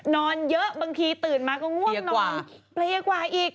นอนเยอะบางทีตื่นมาก็ง่วงนอนเปรี้ยกว่าอีก